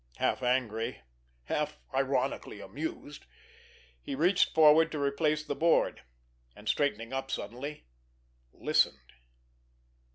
Half angry, half ironically amused, he reached forward to replace the board—and, straightening up suddenly, listened.